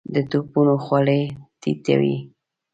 د توپونو خولې ټيټې وې.